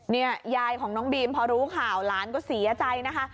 ยายของน้องบีมพอรู้ข่าวหลานก็เสียใจนะคะ